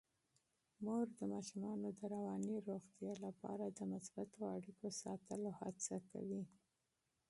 مور د ماشومانو د رواني روغتیا لپاره د مثبتو اړیکو ساتلو هڅه کوي.